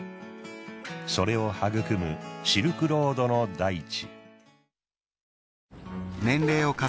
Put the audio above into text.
それを育むシルクロードの大地。